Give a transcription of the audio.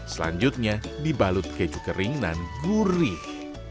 selanjutnya dibalut keju kering dan gurih